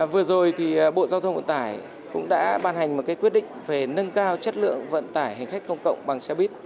vừa rồi thì bộ giao thông vận tải cũng đã ban hành một quyết định về nâng cao chất lượng vận tải hành khách công cộng bằng xe buýt